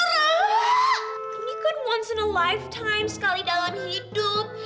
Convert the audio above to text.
ini kan once in a lifetime sekali dalam hidup